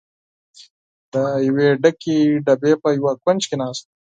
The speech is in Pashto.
د یوې ډکې ډبې په یوه کونج کې ناست و.